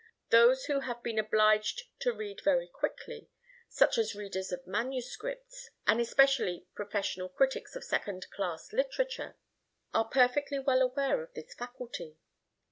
Those who have been obliged to read very quickly, such as readers of manuscripts, and especially professional critics of second class literature, are perfectly well aware of this faculty.